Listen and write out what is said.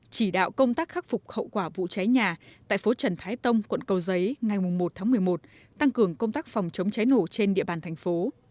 chỉ đạo công tác khắc phục hậu quả vụ cháy nhà tại phố trần thái tông quận cầu giấy ngày một tháng một mươi một tăng cường công tác phòng chống cháy nổ trên địa bàn thành phố